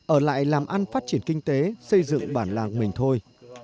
ở lại làm ăn phát triển kinh tế xây dựng bản làng mình thôi